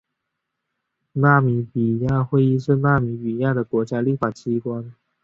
纳米比亚议会是纳米比亚的国家立法机关。